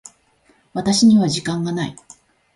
私には時間がない。